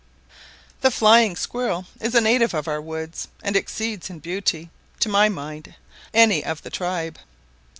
The flying squirrel is a native of our woods, and exceeds in beauty, to my mind, any of the tribe.